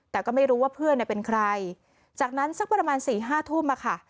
แต่ก็ไม่รู้ว่าเพื่อนเป็นใครจากนั้นสักประมาณสี่ห้าทุ่มอะค่ะ